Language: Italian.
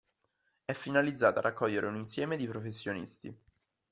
È finalizzata a raccogliere un insieme di professionisti.